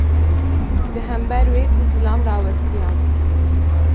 Li hember wê du zilam rawestiyabûn.